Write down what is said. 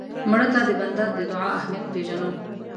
مړه ته د بنده د دعا اهمیت پېژنو